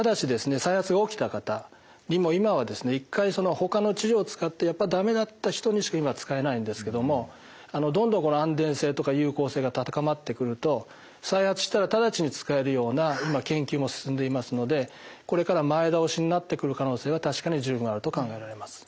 再発が起きた方にも今はですね１回ほかの治療を使ってやっぱり駄目だった人にしか今は使えないんですけどもどんどん安全性とか有効性が高まってくると再発したら直ちに使えるような研究も進んでいますのでこれから前倒しになってくる可能性は確かに十分あると考えられます。